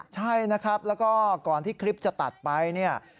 ใช่นะครับแล้วก็ก่อนที่คลิปจะตัดไปเนี่ย